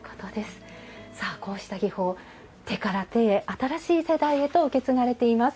こうした技法手から手へ新しい世代へと受け継がれています。